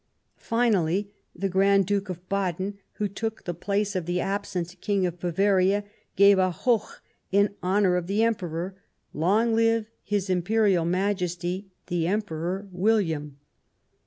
Finally, the Grand Duke of Baden, who took the place of the absent King of Bavaria, gave a hoch ! in honour of the Emperor :" Long live his Im perial Majesty, the Emperor William